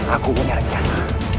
aku punya rencana